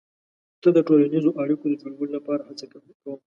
زه د ټولنیزو اړیکو د جوړولو لپاره هڅه کوم.